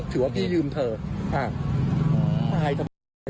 ถือว่าพี่ยืมเถอะ